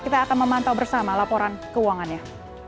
kita akan memantau bersama laporan keuangannya